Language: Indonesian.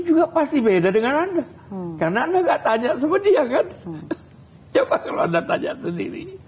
juga pasti beda dengan anda karena enggak tanya seperti akan jawab kalau anda tanya sendiri